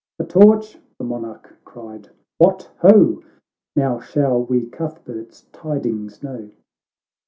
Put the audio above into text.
" A torch," the Monarch cried, " What, ho ! Now shall we Cuthbert's tidings know.'